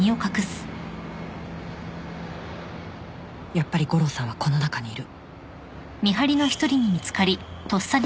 やっぱり悟郎さんはこの中にいる